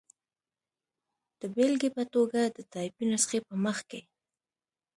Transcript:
د بېلګې په توګه، د ټایپي نسخې په مخ کې.